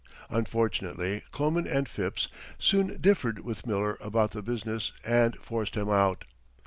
Unfortunately Kloman and Phipps soon differed with Miller about the business and forced him out.